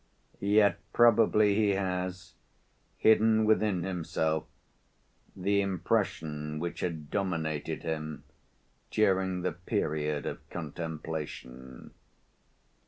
Yet probably he has, hidden within himself, the impression which had dominated him during the period of contemplation.